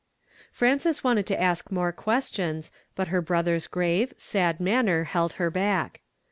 Frances wanted to ask more questions, but her brother's grave, sad manner held her back.